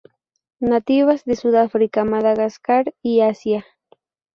Nativas de Sudáfrica, Madagascar y Asia.